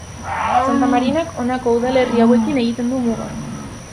Santa Marinak honako udalerri hauekin egiten du muga.